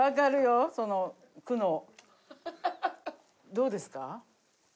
どうですか？